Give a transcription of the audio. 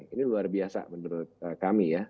ini luar biasa menurut kami ya